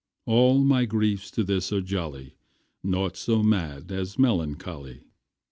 All my griefs to this are jolly, Naught so mad as melancholy.